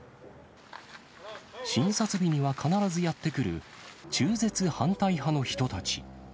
診察日には必ずやって来る、中絶反対派の人たち。